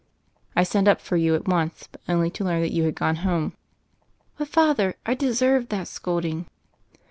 I sent up for you at once, only to learn that you had gone home." "But, Father, I deserved that scolding."